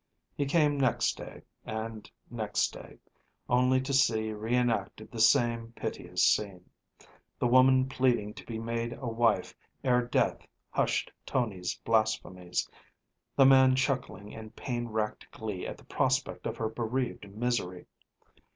He came next day and next day, only to see re enacted the same piteous scene, the woman pleading to be made a wife ere death hushed Tony's blasphemies, the man chuckling in pain racked glee at the prospect of her bereaved misery.